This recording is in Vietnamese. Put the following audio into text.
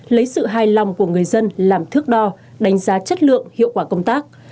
lấy sự hài lòng của người dân làm thước đo đánh giá chất lượng hiệu quả công tác